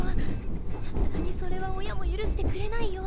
さすがにそれは親も許してくれないよ。